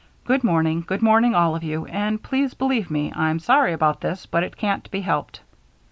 Good morning, good morning, all of you, and please believe me, I'm sorry about this, but it can't be helped."